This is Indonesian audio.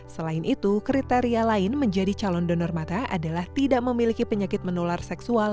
selain itu kriteria lain menjadi calon donor mata adalah tidak memiliki penyakit menular seksual